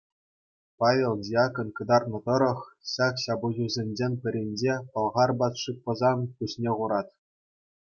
Павел Диакон кӑтартнӑ тӑрӑх ҫак ҫапӑҫусенчен пӗринче пӑлхар патши Пӑсан пуҫне хурать.